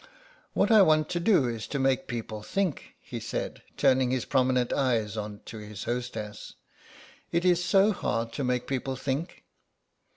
"What I want to do is to make people think," he said, turning his prominent eyes on to his hostess; "it's so hard to make people think."